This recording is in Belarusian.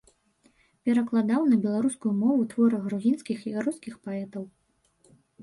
Перакладаў на беларускую мову творы грузінскіх і рускіх паэтаў.